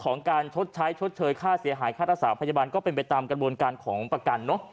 ของการชดใช้ชดเชยค่าเสียหายค่ารักษาพยาบาลก็เป็นไปตามกระบวนการของประกันเนอะ